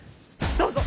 どうぞ。